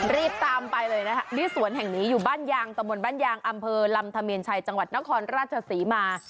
รีบตามไปเลยนะคะที่สวนแห่งนี้อยู่บ้านยางตะบนบ้านยางอำเภอลำธเมียนชัยจังหวัดนครราชศรีมา